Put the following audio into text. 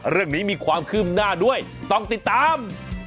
เรื่องนี้มีความคืบหน้าด้วยต้องติดตาม